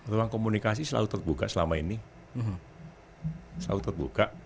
ruang komunikasi selalu terbuka selama ini selalu terbuka